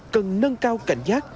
cần nâng cao cảnh giác